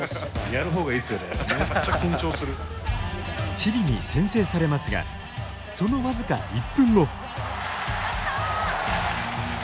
チリに先制されますがその僅か１分後。